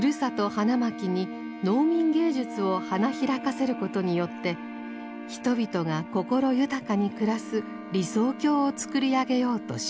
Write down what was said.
花巻に農民芸術を花開かせることによって人々が心豊かに暮らす理想郷をつくり上げようとしました。